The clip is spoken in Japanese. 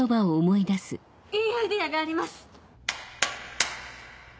いいアイデアがあります！